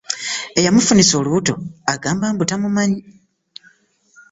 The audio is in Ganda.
Eyamufunyisa olubuto agamba mbu tamumanyi.